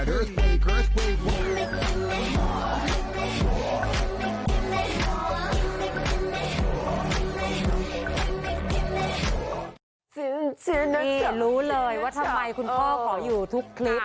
เดี๋ยวรู้เลยว่าทำไมคุณพ่อขออยู่ทุกคลิป